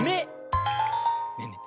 ねえねえ